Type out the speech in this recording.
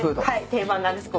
定番なんです。